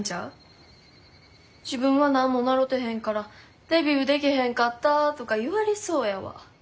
自分は何も習てへんからデビューでけへんかったとか言われそうやわ。